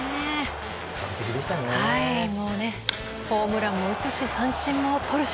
ホームランも打つし三振もとるし。